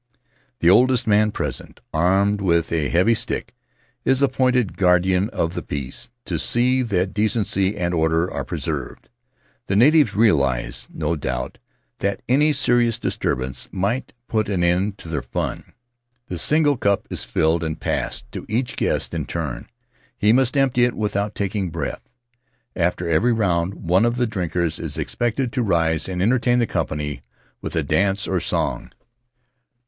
The oldest man present, armed with a heavy stick, is appointed guardian of the peace, to see that decency and order are preserved; the natives realize, no doubt, that any serious disturbance might put an end to their fun. The single cup is filled and passed to each guest in turn; he must empty it without taking breath. After every round one of the drinkers is expected to rise and entertain the company with a dance or a song.